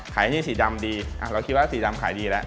ไอ้นี่สีดำดีเราคิดว่าสีดำขายดีแล้ว